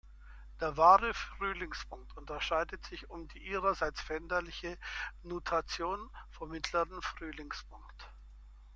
Der wahre Frühlingspunkt unterscheidet sich um die ihrerseits veränderliche Nutation vom mittleren Frühlingspunkt.